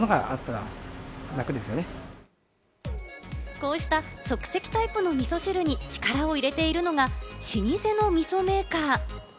こうした即席タイプのみそ汁に力を入れているのが老舗のみそメーカー。